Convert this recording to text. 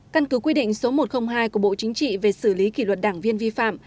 căn cứ quy định số một trăm linh hai của bộ chính trị về xử lý kỷ luật đảng viên vi phạm